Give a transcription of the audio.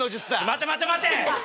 待て待て待て！